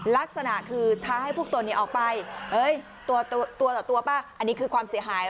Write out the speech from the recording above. ลักษณะคือท้าให้พวกตนออกไปตัวต่อตัวป่ะอันนี้คือความเสียหาย